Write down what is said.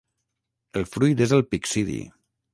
El fruit és el pixidi.